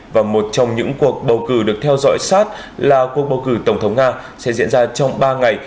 và một trong những cuộc bầu cử được theo dõi sát là cuộc bầu cử tổng thống nga sẽ diễn ra trong ba ngày